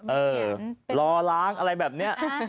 เออรอล้างอะไรแบบนี้